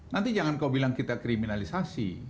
nanti jangan kau bilang kita kriminalisasi